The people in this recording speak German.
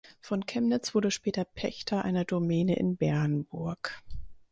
Von Kemnitz wurde später Pächter einer Domäne in Bernburg.